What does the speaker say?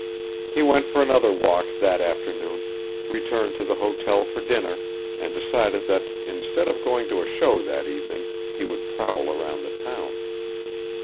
He went for another walk that afternoon, returned to the hotel for dinner, and decided that, instead of going to a show that evening, he would prowl around the town.